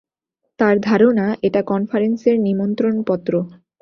তাঁর ধারণা, এটা কনফারেন্সের নিমন্ত্রণপত্র।